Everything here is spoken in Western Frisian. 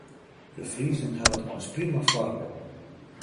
De Friezen hawwe it eins prima foar inoar.